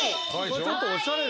これちょっとおしゃれ。